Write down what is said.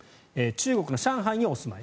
中国の上海にお住まい。